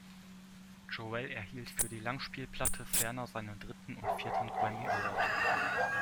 Joel erhielt für die Langspielplatte ferner seinen dritten und vierten Grammy Award.